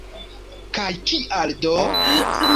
Kaj kial do?